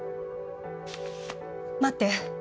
待って。